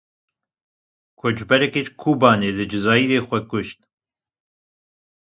Koçberekî ji Kobaniyê li Cezayirê xwe kuşt.